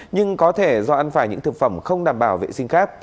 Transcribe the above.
nhưng có thể do ăn phải những thực phẩm không đảm bảo vệ sinh khác